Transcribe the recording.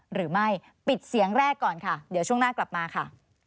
หรือไม่ปิดเสียงแรกก่อนค่ะเดี๋ยวช่วงหน้ากลับมาค่ะ